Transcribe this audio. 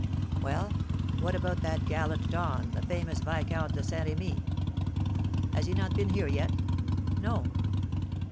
"Well, what about that gallant don, the famous Viscount de Saint Rémy?" "Has he not been here yet?" "No."